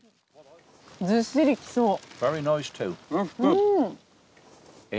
ずっしり来そう。